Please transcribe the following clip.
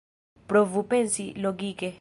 Provu pensi logike.